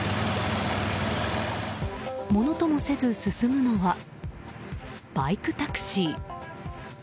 ものともせず進むのはバイクタクシー。